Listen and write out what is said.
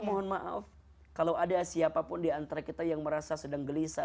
mohon maaf kalau ada siapapun diantara kita yang merasa sedang gelisah